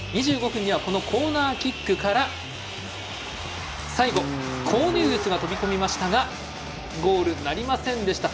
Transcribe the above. ２５分にはコーナーキックから最後、コーネリウスが飛び込みましたがゴールなりませんでした。